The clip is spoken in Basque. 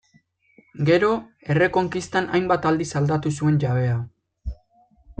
Gero, errekonkistan hainbat aldiz aldatu zuen jabea.